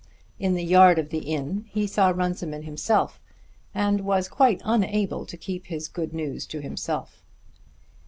In the yard of the inn he saw Runciman himself, and was quite unable to keep his good news to himself.